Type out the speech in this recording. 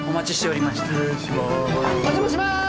お邪魔します！